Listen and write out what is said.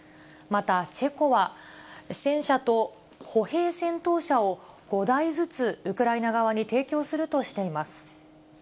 またチェコは、戦車と歩兵戦闘車を、５台ずつウクライナ側に提供するとしています。